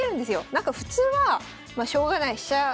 なんか普通はまあしょうがない飛車